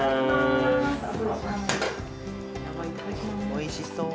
おいしそう。